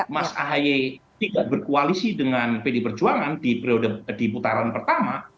mas ahy tidak berkoalisi dengan pd perjuangan di putaran pertama